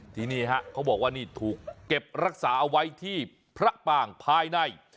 ที่นี่ฮะเขาบอกว่านี่ถูกเก็บรักษาเอาไว้ที่พระปางภายใน